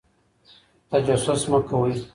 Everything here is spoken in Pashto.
تجسس مه کوئ.